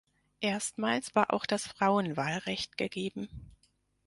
Erstmals war auch das Frauenwahlrecht gegeben.